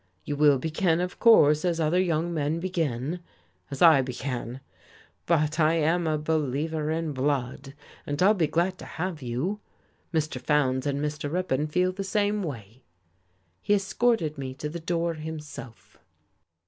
You will begin, of course, as other young men begin, as I began. But I am a believer in blood, and I'll be glad to have you. Mr. Fowndes and Mr. Ripon feel the same way." He escorted me to the door himself.